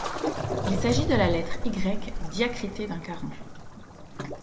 Il s’agit de la lettre Y diacritée d’un caron.